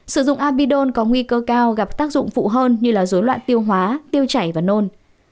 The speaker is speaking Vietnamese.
sử dụng abidon có nguy cơ cao gặp tác dụng phụ hơn như dối loạn tiêu hóa tiêu chảy và nôn